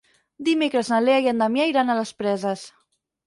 Dimecres na Lea i en Damià iran a les Preses.